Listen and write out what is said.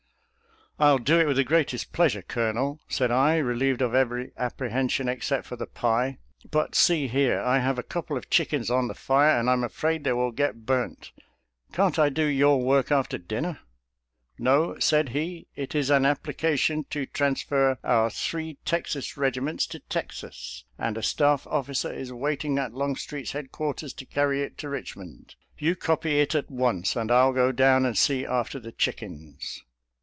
" I'll do it with the greatest pleasure, Colonel," said I, relieved of every apprehension except for the pie ;" but see here — I have a couple of chick ens on the fire, and I am afraid they will get burnt — can't I do your work after dinner? "" No," said he, " it is an application to trans fer our three Texas regiments to Texas, and a staff officer is waiting at Longstreet's head quarters to carry it to Eichmond. You copy it at once, and I'll go down and see after the chickens."